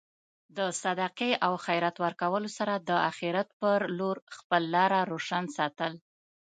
د صدقې او خیرات ورکولو سره د اخرت په لور خپل لاره روشن ساتل.